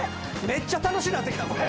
めっちゃ楽しなってきた。